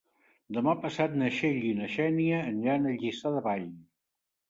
Demà passat na Txell i na Xènia aniran a Lliçà de Vall.